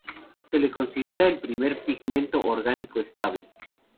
Se lo considera el primer pigmento orgánico estable.